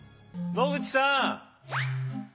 野口さん。